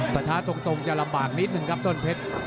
ประท้าตรงจะลำบากนิดนึงครับต้นเพชร